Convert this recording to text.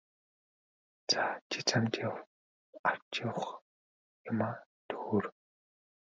За чи замд авч явах юмаа төхөөр!